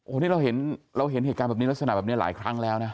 นี่เราเห็นเราเห็นเหตุการณ์แบบนี้ลักษณะแบบนี้หลายครั้งแล้วนะ